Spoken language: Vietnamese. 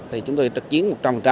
thì chúng tôi trực chiến một trăm linh